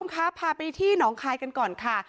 ครับพาไปที่หนองคายกันก่อนค่ะ